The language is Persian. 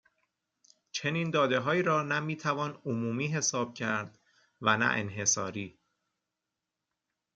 چنین دادههایی را نه میتوان عمومی حساب کرد و نه انحصاری